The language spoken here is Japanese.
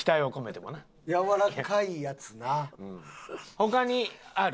他にある？